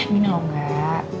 gini loh enggak